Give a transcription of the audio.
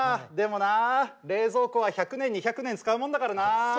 でもな冷蔵庫は１００年２００年使うもんだからなあ。